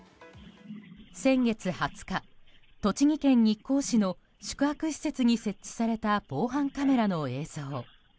先月２０日、栃木県日光市の宿泊施設に設置された防犯カメラの映像。